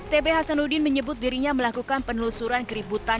t b hasanudin menyebut dirinya melakukan penelusuran keributan